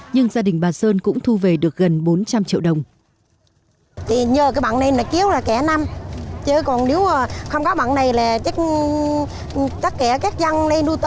nhưng gia đình bà sơn cũng thu về được gần bốn trăm linh triệu đồng